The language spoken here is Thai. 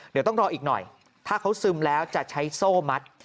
เดี๋ยวต้องรออีกหน่อยถ้าเขาซึมแล้วจะใช้โซ่มัด